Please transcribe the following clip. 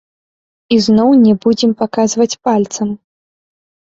Ізноў не будзем паказваць пальцам.